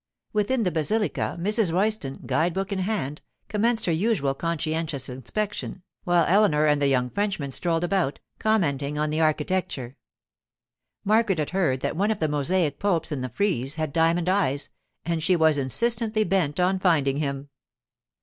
Within the basilica, Mrs. Royston, guide book in hand, commenced her usual conscientious inspection, while Eleanor and the young Frenchman strolled about, commenting on the architecture. Margaret had heard that one of the mosaic popes in the frieze had diamond eyes, and she was insistently bent on finding him.